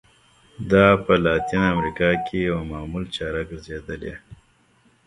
دا په لاتینه امریکا کې یوه معمول چاره ګرځېدلې.